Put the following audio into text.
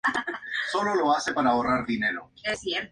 Es filial de la Federación Internacional de Esgrima.